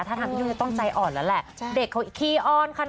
ถ้าจัดการพี่นุ่น